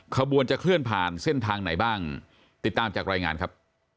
ขบวนจะเคลื่อนผ่านเส้นทางไหนบ้างติดตามจากรายงานครับ